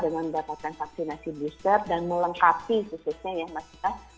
dengan mendapatkan vaksinasi booster dan melengkapi khususnya ya mas ya